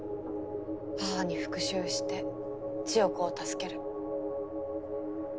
母に復讐して千世子を助ける。